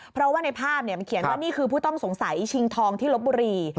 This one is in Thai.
เพราะว่าในภาพมันเขียนว่านี่คือผู้ต้องสงสัยชิงทองที่ลบบุรี